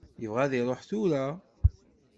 Yebɣa ad iruḥ tura.